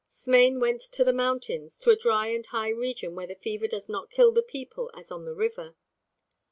Smain went to the mountains, to a dry and high region where the fever does not kill the people as on the river."